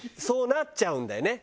そうなっちゃうのよ